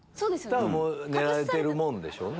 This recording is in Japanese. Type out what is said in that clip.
多分練られてるもんでしょうね。